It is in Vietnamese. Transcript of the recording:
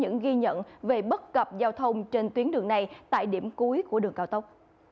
những ghi nhận về bất cập giao thông trên tuyến đường này tại điểm cuối của đường cao tốc